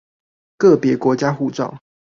個別國家護照